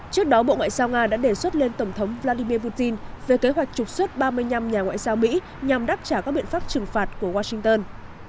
trước đó bộ ngoại giao nga đã đề xuất lên tổng thống vladimir putin về kế hoạch trục xuất ba mươi năm nhà ngoại giao mỹ nhằm đáp trả các biện pháp trừng phạt của washington